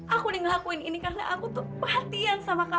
aku udah ngelakuin ini karena aku tuh perhatian sama kalian